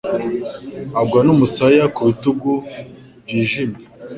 agwa n'umusaya ku bitugu byijimye